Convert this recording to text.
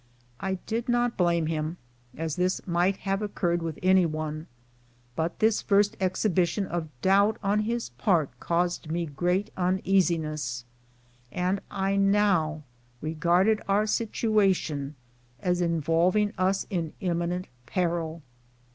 I did not blame him, as this might have occurred with any one; but this first exhibition of doubt on his part caused me great uneasiness, and I now regarded our situation as involving us in imminent peril.